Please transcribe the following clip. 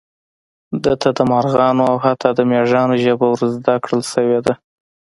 ده ته د مارغانو او حتی د مېږیانو ژبه ور زده کړل شوې وه.